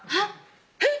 えっ？